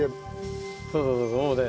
そうそうそうそうもうね。